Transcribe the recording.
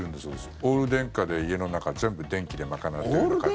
オール電化で家の中全部、電気で賄ってる家庭。